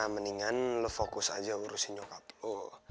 mendingan lo fokus aja urusin nyokap lo